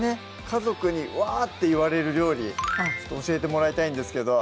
家族にワーって言われる料理教えてもらいたいんですけど